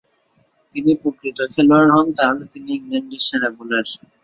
তিনি প্রকৃত খেলোয়াড় হন তাহলে তিনি ইংল্যান্ডের সেরা বোলার।